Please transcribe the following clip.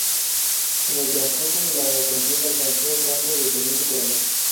En el transcurso de la contienda alcanzó el rango de teniente coronel.